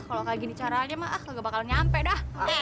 kalo gini caranya mah kagak bakal nyampe dah